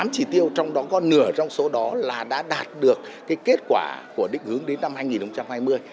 tám chỉ tiêu trong đó có nửa trong số đó là đã đạt được kết quả của đích hướng đến năm hai nghìn hai mươi